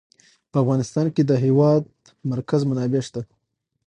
په افغانستان کې د د هېواد مرکز منابع شته.